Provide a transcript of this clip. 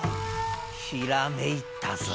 ひらめいたぞ。